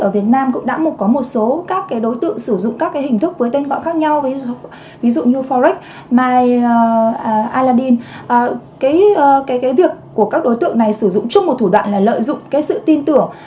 với tên gọi khác nhau như forrest myaladdin việc của các đối tượng này sử dụng chung một thủ đoạn là lợi dụng sự tin tưởng